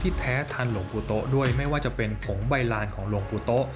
ที่แท้ทานหลงปูโต้ด้วยไม่ว่าจะเป็นผงใบลานของหลงปูโต้